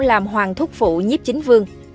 làm hoàng thúc phụ nhíp chính vương